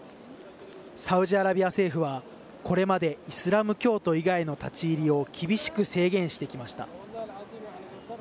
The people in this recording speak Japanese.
サウジアラビア政府はこれまでイスラム教徒以外の立ち入りを厳しく制限してきました。